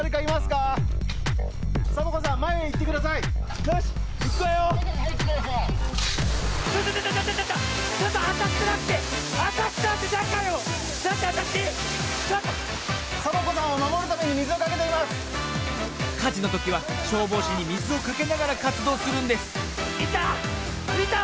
かじのときは消防士にみずをかけながらかつどうするんですいた！